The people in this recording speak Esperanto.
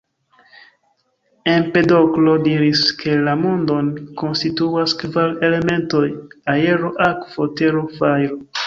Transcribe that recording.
Empedoklo diris ke la mondon konstituas kvar elementoj: aero, akvo, tero, fajro.